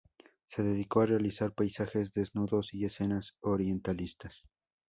Se dedicó a realizar paisajes, desnudos y escenas orientalistas.